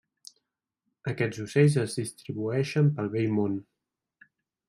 Aquests ocells es distribueixen pel vell món.